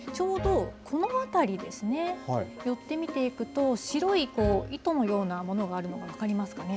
で、ちょうど、このあたりですね、寄って見ていくと、白い糸のようなものがあるのが分かりますかね。